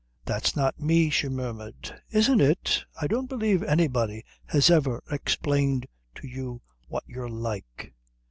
"That's not me," she murmured. "Isn't it? I don't believe anybody has ever explained to you what you're like."